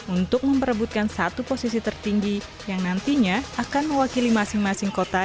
untuk memperebutkan satu posisi tertinggi yang nantinya akan mewakili masing masing kota